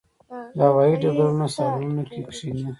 د هوايي ډګرونو صالونونو کې کښېني.